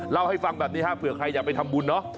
เล่าให้ฟังแบบนี้ฮะเผื่อใครอยากไปทำบุญเนาะ